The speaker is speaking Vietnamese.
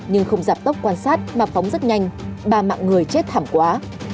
nhưng không giảm tốc quan sát mà phóng rất nhanh ba mạng người chết thảm quá